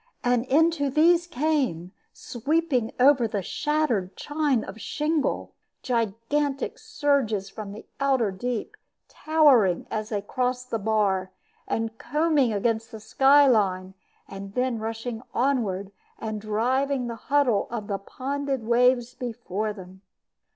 And into these came, sweeping over the shattered chine of shingle, gigantic surges from the outer deep, towering as they crossed the bar, and combing against the sky line, then rushing onward, and driving the huddle of the ponded waves before them.